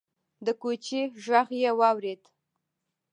د کوچي غږ يې واورېد: